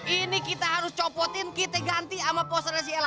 ini kita harus copotin kita ganti sama posernya si ela